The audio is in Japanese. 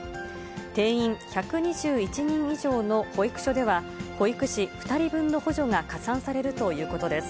定員１２１人以上の保育所では、保育士２人分の補助が加算されるということです。